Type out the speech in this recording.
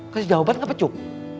kasih jawaban gak apa cup